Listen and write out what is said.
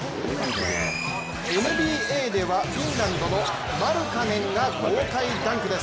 ＮＢＡではフィンランドのマルカネンが豪快ダンクです。